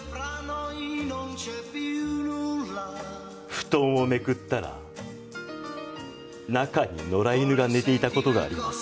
布団をめくったら中に野良犬が寝ていた事があります。